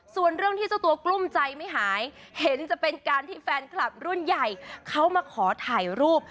ส่วนเรื่องที่เจ้าตัวกลุ้มใจไม่หายเห็นจะเป็นการที่แฟนคลับรุ่นใหญ่เขามาขอถ่ายรูป